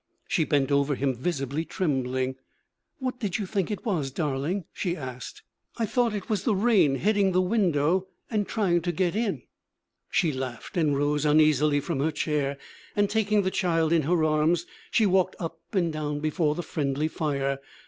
She bent over him, visibly trembling. 'What did you think it was, darling?' she asked. 'I thought it was the rain hitting the window and trying to get in.' She laughed and rose uneasily from her chair, and taking the child in her arms, she walked up and down before the friendly fire.